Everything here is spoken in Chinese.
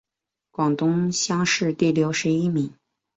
广东乡试第六十一名。